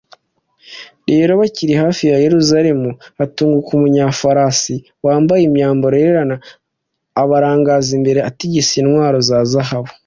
rero bakiri hafi ya yeruzalemu, hatunguka umunyafarasi wambaye imyambaro yererana, abarangaza imbere atigisa intwaro za zahabu